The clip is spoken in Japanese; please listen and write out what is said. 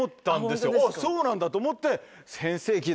そうなんだと思って。